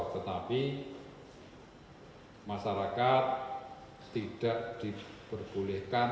tetapi masyarakat tidak diperbolehkan